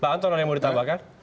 pak anton yang mau ditambahkan